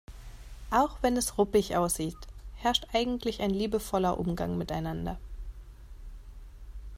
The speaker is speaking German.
Auch wenn es ruppig aussieht, herrscht eigentlich ein liebevoller Umgang miteinander.